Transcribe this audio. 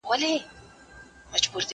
زه کولای سم سبزېجات وخورم!!